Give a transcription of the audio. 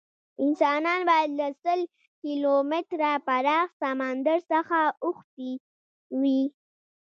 انسانان باید له سل کیلومتره پراخ سمندر څخه اوښتي وی.